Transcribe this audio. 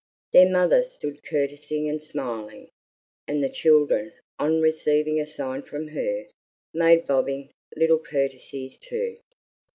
Their mother stood courtesying and smiling, and the children, on receiving a sign from her, made bobbing little courtesies too.